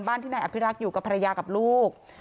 ที่นายอภิรักษ์อยู่กับภรรยากับลูก